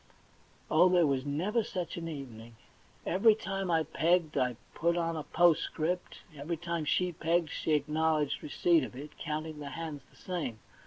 Oh, there was never such an evening ! Every time I pegged I put on a postscript ; every time she pegged she acknowledged receipt of it, counting the hands the same.